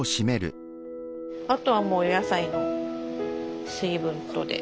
あとはもう野菜の水分とで。